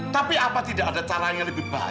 tapi apa tidak ada cara yang lebih baik